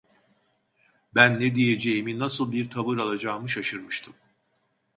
Ben ne diyeceğimi nasıl bir tavır alacağımı şaşırmıştım.